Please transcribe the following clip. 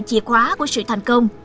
chìa khóa của sự thành công